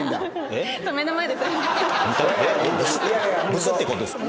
ブスっていう事ですか？